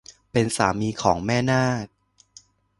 เป็นสามีของแม่นาก